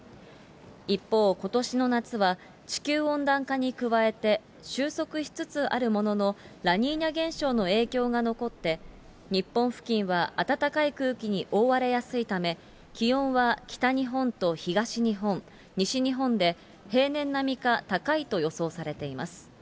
一方、ことしの夏は地球温暖化に加えて、収束しつつあるものの、ラニーニャ現象の影響が残って、日本付近は暖かい空気に覆われやすいため、気温は北日本と東日本、西日本で、平年並みか高いと予想されています。